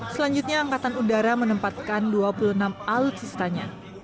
selanjutnya angkatan udara menempatkan dua puluh enam alutsistanya